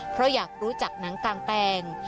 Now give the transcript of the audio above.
เพราะอยากรู้จักหนังกางแปลง